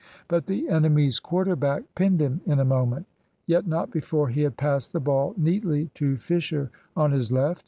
But the enemy's quarter back pinned him in a moment; yet not before he had passed the ball neatly to Fisher on his left.